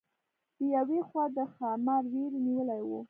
د یوې خوا د ښامار وېرې نیولې وه.